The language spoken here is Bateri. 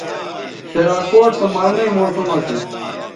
شراکوٹ سو مڑنئ موسم اسُو